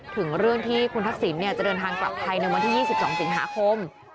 ถึงเรื่องที่คุณทักษิณเนี่ยจะเดินทางกลับไทยใน๒๒สิงหาคม